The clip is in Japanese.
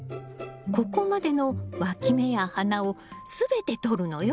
ここまでのわき芽や花を全てとるのよ。